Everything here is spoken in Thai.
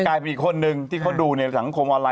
ในแลกให้มีอีกคนที่เขาดูในสังคมออนไลน์